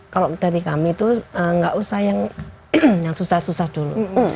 kalau dari kami itu nggak usah yang susah susah dulu